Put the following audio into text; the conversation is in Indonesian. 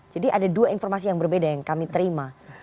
jadi ada dua informasi yang berbeda yang kami terima